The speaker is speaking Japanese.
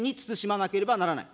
なければならない。